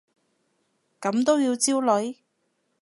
咁都要焦慮？